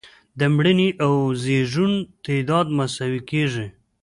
د مړینې او زیږون تعداد مساوي کیږي.